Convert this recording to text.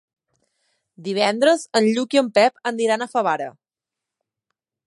Divendres en Lluc i en Pep aniran a Favara.